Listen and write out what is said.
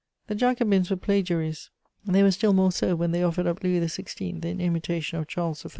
The Jacobins were plagiaries; they were still more so when they offered up Louis XVI. in imitation of Charles I.